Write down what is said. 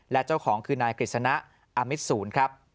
และเจ้าของคือนายกฤษณะอามิตศูนย์ครับ